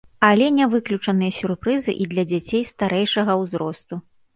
Але не выключаныя сюрпрызы і для дзяцей старэйшага ўзросту.